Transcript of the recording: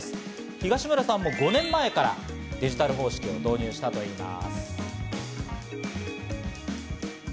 東村さんは５年前からデジタル方式を導入したといいます。